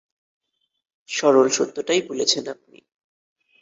সরল সত্যটাই বলেছেন আপনি।